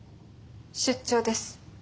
出張です。